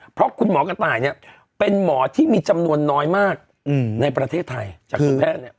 เพราะคุณหมอกระต่ายเนี่ยเป็นหมอที่มีจำนวนน้อยมากในประเทศไทยจากคุณแพทย์เนี่ย